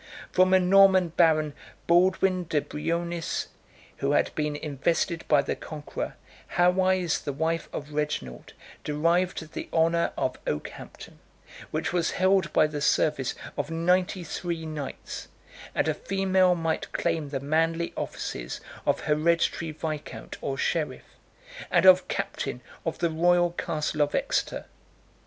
83 From a Norman baron, Baldwin de Brioniis, who had been invested by the Conqueror, Hawise, the wife of Reginald, derived the honor of Okehampton, which was held by the service of ninety three knights; and a female might claim the manly offices of hereditary viscount or sheriff, and of captain of the royal castle of Exeter.